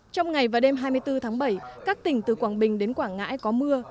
trong ngày và đêm hai mươi bốn tháng bảy các tỉnh từ quảng bình đến quảng ngãi có mưa